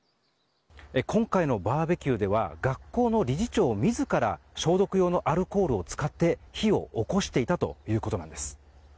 今回のバーベキューでは学校の理事長自ら消毒用のアルコールを使って火を起こしていたということなんです。